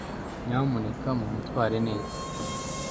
nyamuneka mumutware!neza